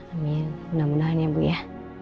amin mudah mudahan ya bu ya